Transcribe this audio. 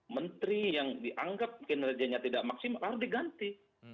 menteri yang dianggap kinerjanya tidak maksimal harus diganti